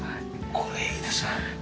これいいですね。